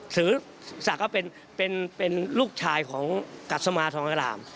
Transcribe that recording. ถือสักก็เป็นลูกชายของกัษมาทรงอักษราม